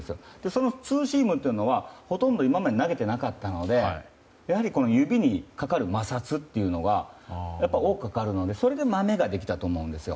そのツーシームというのはほとんど今まで投げていなかったので指にかかる摩擦というのは多くかかるので、それでマメができたと思うんです。